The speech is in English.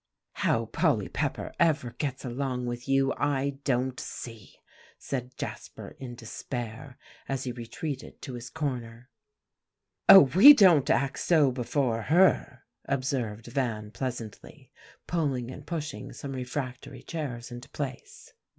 "How Polly Pepper ever gets along with you, I don't see," said Jasper in despair, as he retreated to his corner. "Oh! we don't act so before her," observed Van pleasantly, pulling and pushing some refractory chairs into place.